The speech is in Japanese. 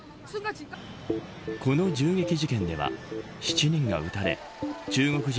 この銃撃事件では７人が撃たれ中国人